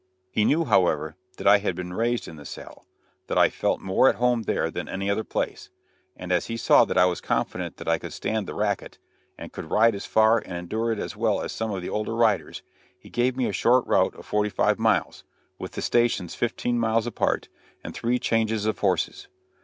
He knew, however, that I had been raised in the saddle that I felt more at home there than in any other place and as he saw that I was confident that I could stand the racket, and could ride as far and endure it as well as some of the older riders, he gave me a short route of forty five miles, with the stations fifteen miles apart, and three changes of horses.